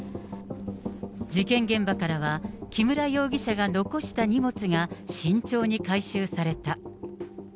事件現場からは、木村容疑者が残した荷物が慎重に回収された。